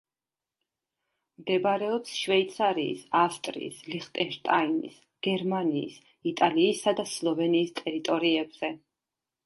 მდებარეობს შვეიცარიის, ავსტრიის, ლიხტენშტაინის, გერმანიის, იტალიისა და სლოვენიის ტერიტორიებზე.